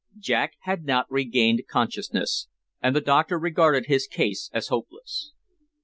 Jack had not regained consciousness, and the doctor regarded his case as hopeless.